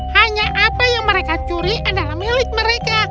hanya apa yang mereka curi adalah milik mereka